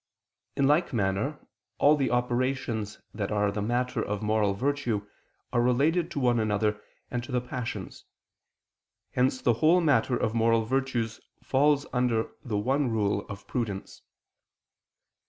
In like manner all the operations that are the matter of moral virtue are related to one another, and to the passions. Hence the whole matter of moral virtues falls under the one rule of prudence.